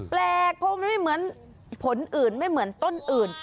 แปลกเพราะมันไม่เหมือนผลอื่นไม่เหมือนต้นอื่น